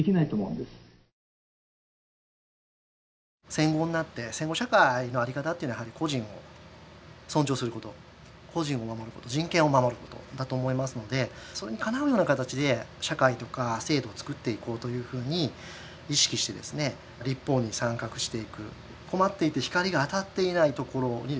戦後になって戦後社会のあり方っていうのは個人を尊重すること個人を守ること人権を守ることだと思いますのでそれにかなうような形で社会とか制度をつくっていこうというふうに意識して立法に参画していく。